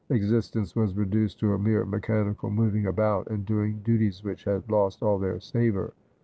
Existence was reduced to a mere mechanical moving about, and doing duties which had lost all their savour.